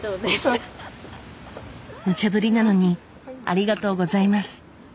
無茶ぶりなのにありがとうございます。